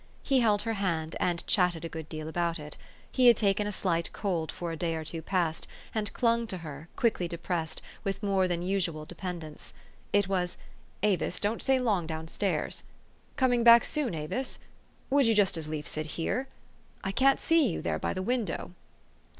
He held her hand, and chatted a good deal about it. He had taken a slight cold for a day or two past, and clung to her, quickly depressed, with more than usual dependence. It was, "Avis, don't stay long down stairs." "Coming back soon, Avis?" "Would you just as lief sit here? " "I can't see you, there by the window."